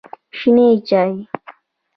شنې چای